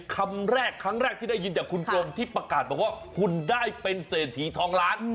คำแรกที่ได้ยินจากคุณโครมที่ประกาศว่าคุณได้เป็นเศรษฐีทองล้าน